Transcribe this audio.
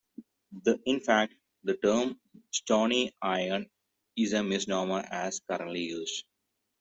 In fact, the term "stony iron" is a misnomer as currently used.